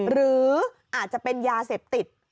หรืออาจจะเป็นยาเสพติด